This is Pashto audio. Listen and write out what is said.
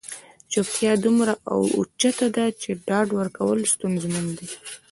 چوپتیا دومره اوچته ده چې ډاډ ورکول ستونزمن دي.